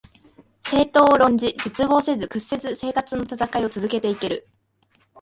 政党を論じ、絶望せず、屈せず生活のたたかいを続けて行ける